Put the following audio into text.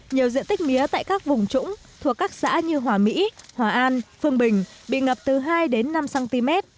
nhiều diện tích mía tại các vùng trũng thuộc các xã như hòa mỹ hòa an phương bình bị ngập từ hai đến năm cm